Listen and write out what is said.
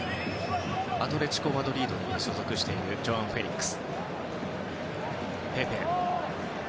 アトレチコ・マドリードに所属しているジョアン・フェリックス。